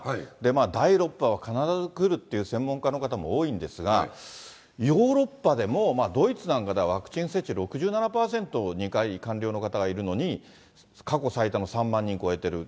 第６波は必ず来るっていう専門家の方も多いんですが、ヨーロッパでもドイツなんかではワクチン接種６７％、２回完了の方がいるのに、過去最多の３万人を超えてる。